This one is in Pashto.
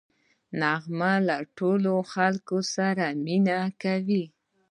نغمه له ټولو خلکو سره مینه کوي